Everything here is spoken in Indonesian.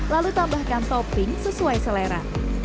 lalu tambahkan topping sesuai selera